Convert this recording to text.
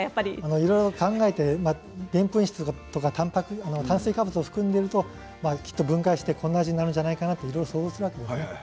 いろいろ考えてでんぷん質や炭水化物を含んでるときっと分解してこんな味になるんじゃないかと想像するわけです。